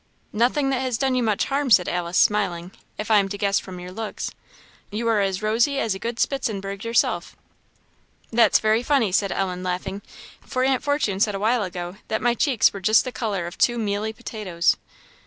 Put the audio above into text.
"Nothing that has done you much harm," said Alice, smiling "if I am to guess from your looks. You are as rosy as a good Spitzenberg yourself." "That's very funny," said Ellen, laughing, "for Aunt Fortune said a while ago that my cheeks were just the colour of two mealy potatoes."